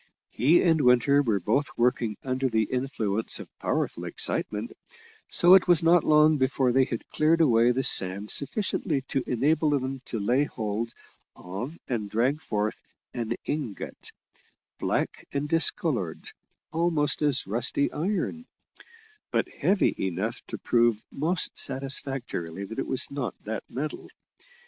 He and Winter were both working under the influence of powerful excitement, so it was not long before they had cleared away the sand sufficiently to enable them to lay hold of and drag forth an ingot, black and discoloured almost as rusty iron, but heavy enough to prove most satisfactorily that it was not that metal.